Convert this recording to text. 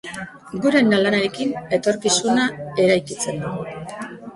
Gure lanarekin etorkizuna eraikitzen dugu.